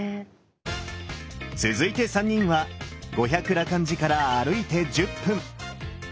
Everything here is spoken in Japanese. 続いて３人は五百羅漢寺から歩いて１０分。